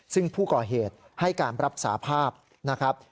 ซึ่งผู้ก่อเหตุให้การรับสาภาพนะครับ